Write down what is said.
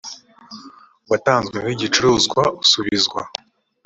watanzwe nk igicuruzwa usubizwa